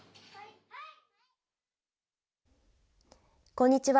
こんにちは。